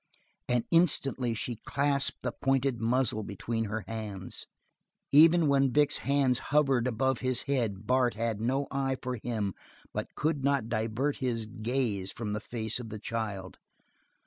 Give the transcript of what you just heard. And instantly she clasped the pointed muzzle between her hands. Even when Vic's hand hovered above his head Bart had no eye for him, could not divert his gaze from the face of the child.